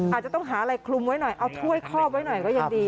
อาจจะต้องหาอะไรคลุมไว้หน่อยเอาถ้วยคอบไว้หน่อยก็ยังดี